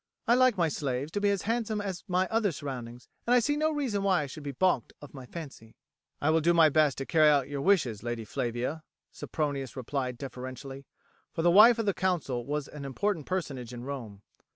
I like my slaves to be as handsome as my other surroundings, and I see no reason why I should be baulked of my fancy." "I will do my best to carry out your wishes, Lady Flavia," Sempronius replied deferentially, for the wife of the consul was an important personage in Rome.